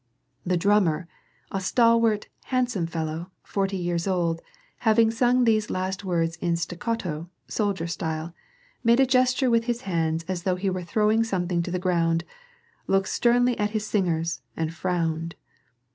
The drummer, a stalwart, handsome fellow, forty years old, having sung these last words in staccato, soldier style, made a gesture with his hands as though he were throwing something to the ground, looked sternly at his singers, and frowned.